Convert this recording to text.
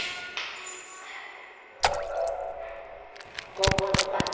本物かね？